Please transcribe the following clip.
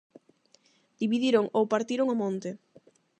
Dividiron ou partiron o monte.